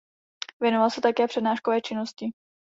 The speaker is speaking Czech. Věnoval se také přednáškové činnosti.